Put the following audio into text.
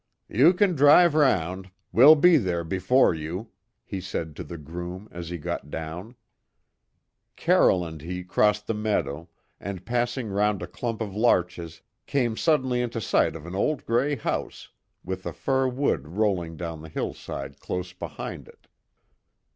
"You can drive round; we'll be there before you," he said to the groom as he got down. Carroll and he crossed the meadow, and passing round a clump of larches, came suddenly into sight of an old grey house with a fir wood rolling down the hillside close behind it.